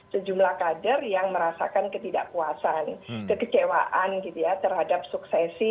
sejumlah kader yang merasakan ketidakpuasan kekecewaan gitu ya terhadap suksesi